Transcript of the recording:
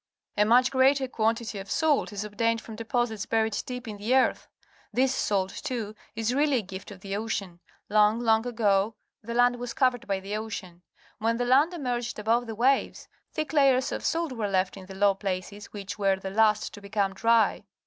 A much greater quantity of salt is obtained from deposits buried deep in the earth. This salt, too, is really a gift of the ocean. Long, long ago the land was covered by the ocean. When the land emerged above the waves, thick layers of salt were left in the low places which were the last to become dry.